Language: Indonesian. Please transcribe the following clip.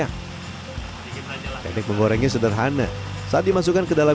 kadang nggak per tahun per bulan sekali kadang kadang